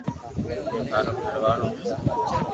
ھون ٿارو گھر وارو ھون